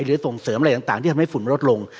ส่งเสริมอะไรต่างที่ทำให้ฝุ่นลดลง